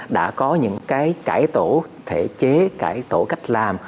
đã có những cái cải tổ thể chế cải tổ cách làm